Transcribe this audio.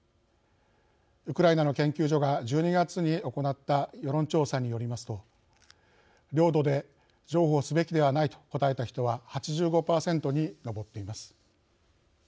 ウクライナの研究所が１２月に行った世論調査によりますと領土で譲歩すべきではないと答えた人は８５％に上っています。